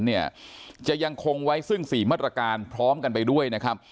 เนี่ยจะยังคงไว้ซึ่ง๔มาตรการพร้อมกันไปด้วยนะครับ